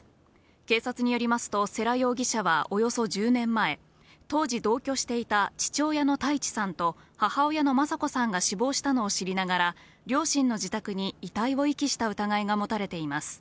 警察によりますと、世羅容疑者はおよそ１０年前、当時、同居していた父親の太一さんと、母親の雅子さんが死亡したのを知りながら、両親の自宅に遺体を遺棄した疑いが持たれています。